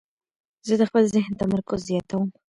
زه د خپل ذهن تمرکز زیاتوم.